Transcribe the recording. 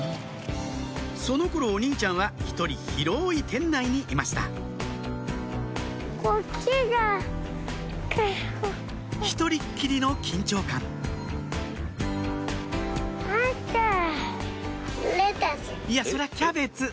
その頃お兄ちゃんは１人広い店内にいました一人っきりの緊張感いやそりゃキャベツ！